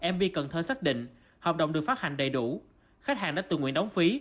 mb cần thơ xác định hợp đồng được phát hành đầy đủ khách hàng đã tự nguyện đóng phí